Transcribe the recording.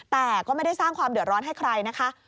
แต่ก็ไม่ได้สร้างความเดือดร้อนให้ใครนะคะ